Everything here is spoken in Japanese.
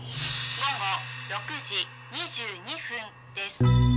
「午後６時２２分です」